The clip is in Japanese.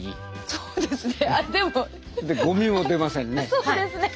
そうですよね。